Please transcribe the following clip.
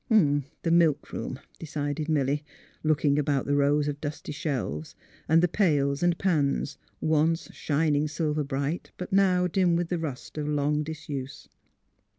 *' The milkroom," decided Milly, looking about the rows of dusty shelves, and the pails and pans, once shining silver bright, but now dim with the rust of long disuse.